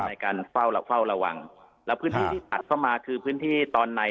ในการเฝ้าและเฝ้าระวังแล้วพื้นที่ที่ถัดเข้ามาคือพื้นที่ตอนใน